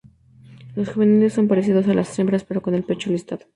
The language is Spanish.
Los juveniles son parecidos a las hembras, pero con el pecho listado.